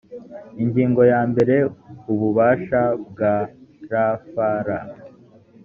ingingo ya mbere ububasha bwa rfl